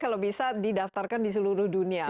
kalau bisa didaftarkan di seluruh dunia